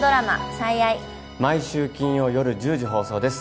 「最愛」毎週金曜夜１０時放送です